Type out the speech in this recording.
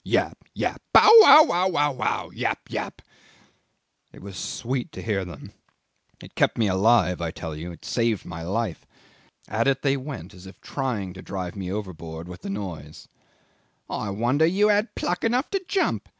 Yap! yap! Bow ow ow ow ow! Yap! yap! It was sweet to hear them; it kept me alive, I tell you. It saved my life. At it they went, as if trying to drive me overboard with the noise! ... 'I wonder you had pluck enough to jump.